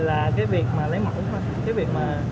là cái việc mà